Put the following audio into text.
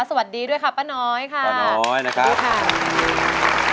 สวัสดีด้วยค่ะป้าน้อยค่ะป้าน้อยนะครับสวัสดีค่ะ